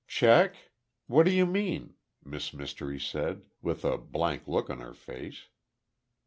"Check? What do you mean?" Miss Mystery said, with a blank look on her face.